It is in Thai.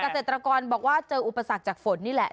เกษตรกรบอกว่าเจออุปสรรคจากฝนนี่แหละ